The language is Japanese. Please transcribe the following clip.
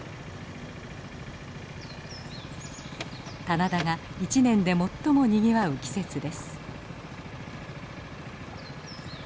棚田が一年で最もにぎわう季節です。